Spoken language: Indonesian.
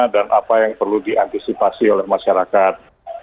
dan apa yang perlu diantisipasi oleh masyarakat